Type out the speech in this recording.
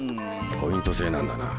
ポイント制なんだな。